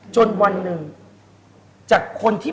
จนวันหนึ่งจากคนที่